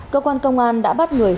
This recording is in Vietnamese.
cơ quan công an đã bắt người dân